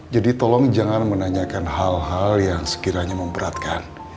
jadi tolong jangan menanyakan hal hal yang sekiranya memberatkan